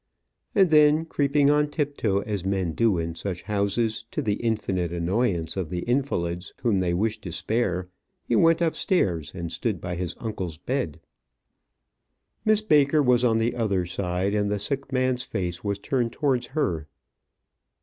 And then, creeping on tiptoe, as men do in such houses, to the infinite annoyance of the invalids whom they wish to spare, he went upstairs, and stood by his uncle's bed. Miss Baker was on the other side, and the sick man's face was turned towards her.